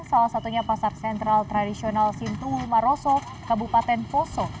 salah satunya pasar sentral tradisional sintuu maroso kabupaten poso